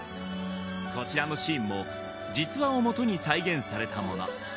こちらのシーンも実話をもとに再現されたもの